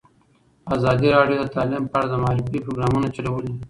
ازادي راډیو د تعلیم په اړه د معارفې پروګرامونه چلولي.